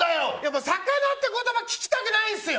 もう魚って言葉聞きたくないっすよ！